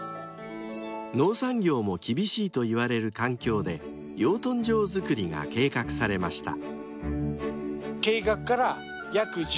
［農産業も厳しいといわれる環境で養豚場造りが計画されました］